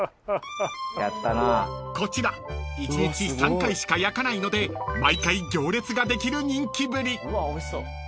［こちら１日３回しか焼かないので毎回行列ができる人気ぶり］